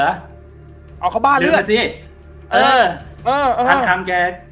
เอาเขาบ้าเลือดลืมไหมสิเออเออเออพานคำแก